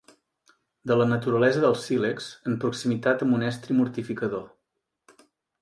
De la naturalesa del sílex, en proximitat amb un estri mortificador.